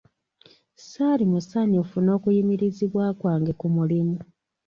Ssaali musanyufu n'okuyimirizibwa kwange ku mulimu.